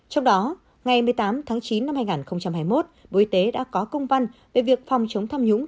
trong đó ngày một mươi tám tháng chín năm hai nghìn hai mươi một bộ y tế đã có công văn về việc phòng chống tham nhũng